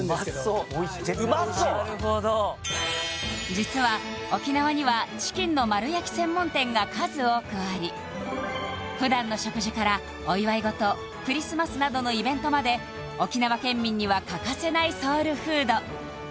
実は沖縄にはチキンの丸焼き専門店が数多くあり普段の食事からお祝いごとクリスマスなどのイベントまで沖縄県民には欠かせないソウルフード